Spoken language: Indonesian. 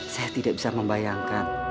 saya tidak bisa membayangkan